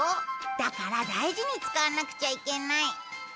だから大事に使わなくちゃいけない。